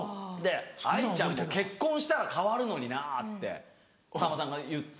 「藍ちゃんも結婚したら変わるのにな」ってさんまさんが言って。